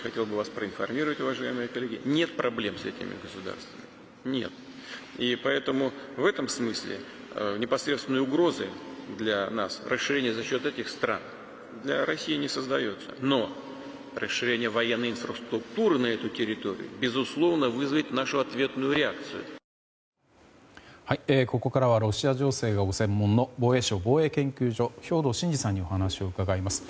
ここからはロシア情勢がご専門の防衛省防衛研究所兵頭慎治さんにお話を伺います。